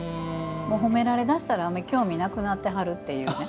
褒められだしたら興味なくなってはるっていう。